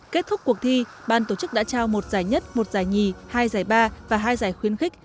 kết thúc cuộc thi ban tổ chức đã trao một giải nhất một giải nhì hai giải ba và hai giải khuyến khích